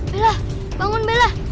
bella bangun bella